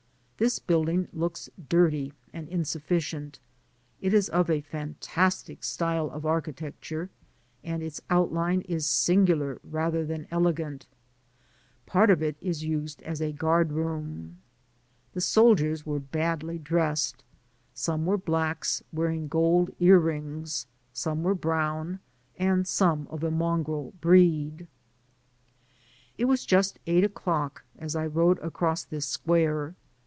This building looks dirty and insufficient ; it is of a fantastic style of architecture, and its outline is singular rather than elegant : part of it is used as a guard*room. The soldiers were badly dressed ; some were blacks, wearing gold ear rings, some were brown, and some of a mongrel breed. It was just eight o'clock as I rode across this square.